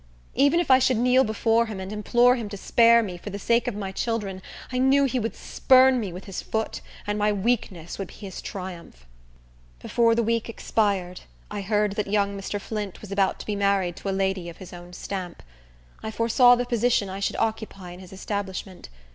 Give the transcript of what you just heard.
Even if I should kneel before him, and implore him to spare me, for the sake of my children, I knew he would spurn me with his foot, and my weakness would be his triumph. Before the week expired, I heard that young Mr. Flint was about to be married to a lady of his own stamp. I foresaw the position I should occupy in his establishment.